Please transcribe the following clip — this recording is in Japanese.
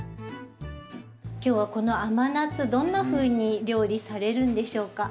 今日はこの甘夏どんなふうに料理されるんでしょうか？